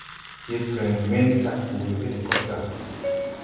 Je freŋ men jāg boole ɓɛ go de kod gà.